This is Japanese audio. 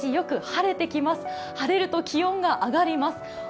晴れると気温が上がります。